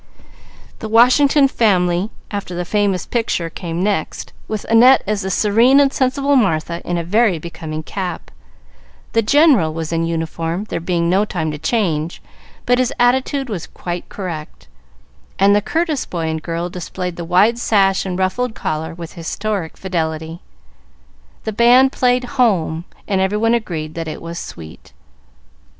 The Washington Family, after the famous picture, came next, with Annette as the serene and sensible Martha, in a very becoming cap. The General was in uniform, there being no time to change, but his attitude was quite correct, and the Custis boy and girl displayed the wide sash and ruffled collar with historic fidelity. The band played "Home," and every one agreed that it was "Sweet!"